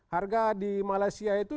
harga di malaysia itu